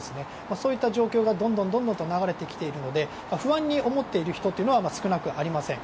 そういう状況がどんどんと流れてきているので不安に思っている人は少なくありません。